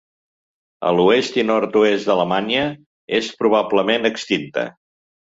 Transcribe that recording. A l'oest i nord-oest d'Alemanya és probablement extinta.